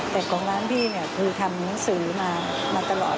แต่ของร้านพี่เนี่ยคือทำหนังสือมาตลอด